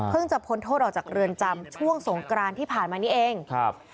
จะพ้นโทษออกจากเรือนจำช่วงสงกรานที่ผ่านมานี้เองครับ